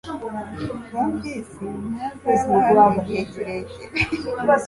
Bomfisi ntazaba hano igihe kirekire .